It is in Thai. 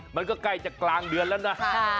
มันก็ใกล้จะกลางเดือนแล้วนะ